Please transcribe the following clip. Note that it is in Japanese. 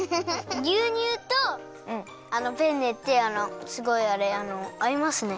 ぎゅうにゅうとあのペンネってすごいあれあのあいますね。